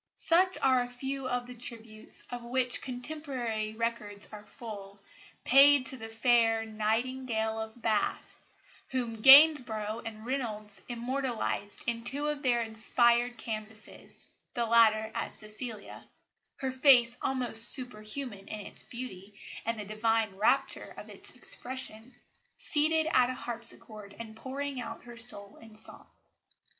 Such are a few of the tributes, of which contemporary records are full, paid to the fair "Nightingale of Bath," whom Gainsborough and Reynolds immortalised in two of their inspired canvases the latter as Cecilia her face almost superhuman in its beauty and the divine rapture of its expression seated at a harpsichord and pouring out her soul in song.